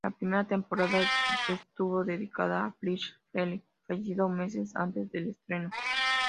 La primera temporada estuvo dedicada a Friz Freleng, fallecido meses antes del estreno.